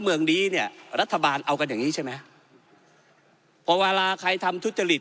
เมืองนี้เนี่ยรัฐบาลเอากันอย่างงี้ใช่ไหมพอเวลาใครทำทุจริต